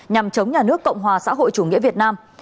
nhằm chống nhà nước cộng hòa xã hội chủ nghĩa việt nam